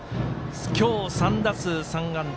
今日、３打数３安打。